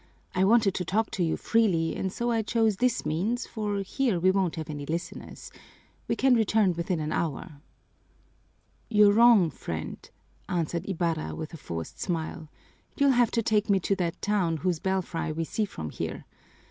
I wanted to talk to you freely and so I chose this means, for here we won't have any listeners. We can return within an hour." "You're wrong, friend," answered Ibarra with a forced smile. "You'll have to take me to that town whose belfry we see from here.